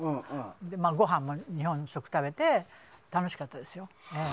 ごはんも日本食を食べて楽しかったですよ。